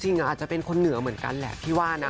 อาจจะเป็นคนเหนือเหมือนกันแหละที่ว่านะ